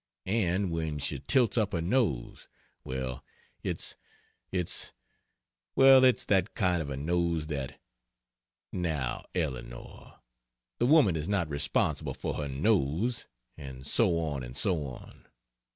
A n d when she tilts up her nose well, it's it's Well it's that kind of a nose that " "Now Eleanor! the woman is not responsible for her nose " and so on and so on.